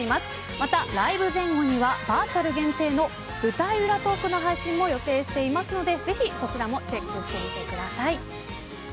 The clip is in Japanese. またライブ前後にはバーチャル限定の舞台裏トークの配信も予定しているのでぜひそちらもチェックしてみてください。